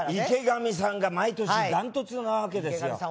池上さんが毎年ダントツなわけですよ。